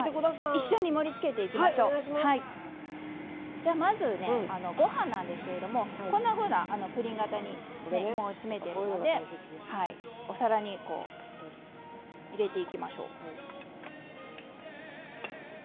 じゃまずねご飯なんですけれどもこんなふうなプリン型にもう詰めてるのでお皿に入れていきましょう。